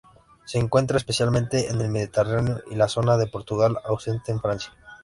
Se encuentra especialmente en el Mediterráneo y la zona de Portugal, ausente en Francia.